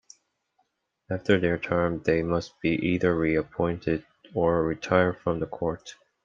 After their term, they must be either re-appointed or retire from the court.